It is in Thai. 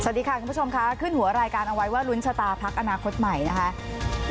สวัสดีค่ะคุณผู้ชมค่ะขึ้นหัวรายการเอาไว้ว่าลุ้นชะตาพักอนาคตใหม่นะคะ